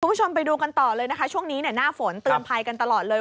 คุณผู้ชมไปดูกันต่อเลยนะคะช่วงนี้หน้าฝนเตือนภัยกันตลอดเลย